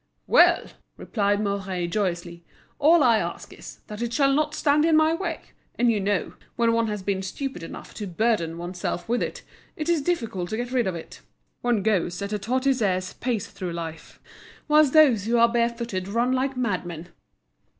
"Well!" replied Mouret, joyously, "all I ask is, that it shall not stand in my way, and you know, when one has been stupid enough to burden one's self with it, it is difficult to get rid of it. One goes at a tortoise's pace through life, whilst those who are bare footed run like madmen."